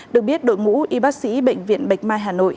được biết đội ngũ y bác sĩ bệnh viện bạch mai hà nội